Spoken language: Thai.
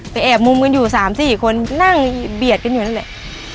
แอบมุมกันอยู่๓๔คนนั่งเบียดกันอยู่นั่นแหละ